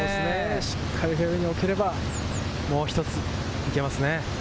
しっかりフェアウエーに置ければ、もう１ついけますね。